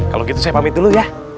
kalau gitu saya pamit dulu ya